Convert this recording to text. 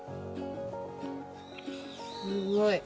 すごい。